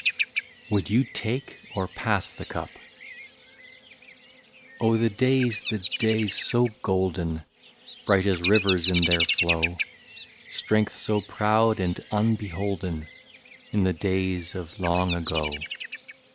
57 WOULD YOU TAKE OR PASS THE CUP ? Oh ! the days, the days so golden, Bright as rivers in their flow, — Strength, so proud and unbeholden. In the days of long ago